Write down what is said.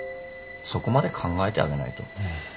そこまで考えてあげないと。